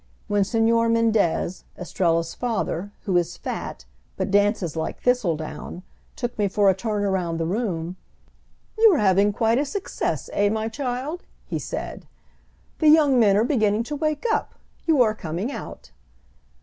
When Señor Mendez, Estrella's father, who is fat, but dances like thistledown, took me for a turn around the room, "You are having quite a success, eh, my child?" he said. "The young men are beginning to wake up. You are coming out."